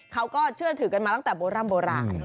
เขาก็เชื่อถือกันมาตั้งแต่โบร่ำโบราณ